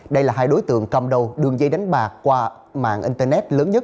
đây là hai đối tượng cầm đầu đường dây đánh bạc qua mạng internet lớn nhất